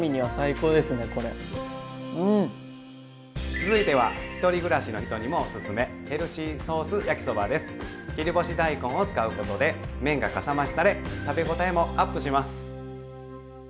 続いては１人暮らしの人にもおすすめ切り干し大根を使うことで麺がかさ増しされ食べ応えもアップします。